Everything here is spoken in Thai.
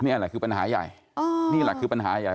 นี่แหละคือปัญหาใหญ่นี่แหละคือปัญหาใหญ่